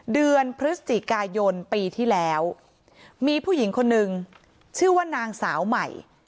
เดือนพฤศจิกายนปีที่แล้วมีผู้หญิงคนนึงชื่อว่านางสาวใหม่